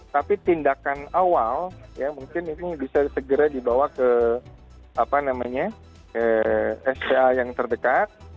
tapi tindakan awal ya mungkin ini bisa segera dibawa ke apa namanya ke sda yang terdekat